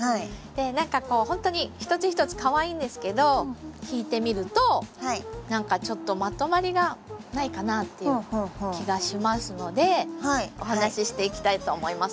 何かこうほんとに一つ一つかわいいんですけど引いて見ると何かちょっとまとまりがないかなっていう気がしますのでお話ししていきたいと思います。